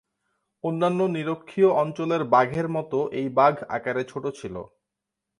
অন্যান্য নিরক্ষীয় অঞ্চলের বাঘের মত এই বাঘ আকারে ছোট ছিল।